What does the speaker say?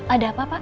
ada apa papa